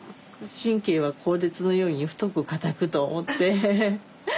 神経は鋼鉄のように太く硬くと思って。